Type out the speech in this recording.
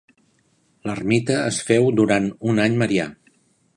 L'ermita es féu durant un any marià.